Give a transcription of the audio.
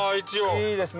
いいですね。